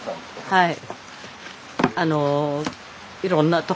はい。